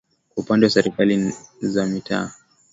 kwa upande wa Serikali za Mitaa